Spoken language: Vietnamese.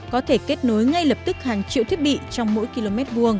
có thể kết nối ngay lập tức hàng triệu thiết bị trong mỗi km hai